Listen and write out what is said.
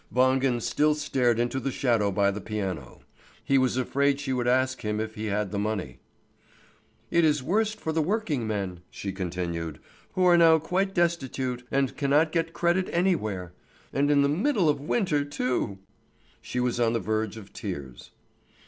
Wangen still stared into the shadow by the piano. He was afraid she would ask him if he had the money. "It is worst for the working men," she continued, "who are now quite destitute, and cannot get credit anywhere. And in the middle of winter too!" She was on the verge of tears.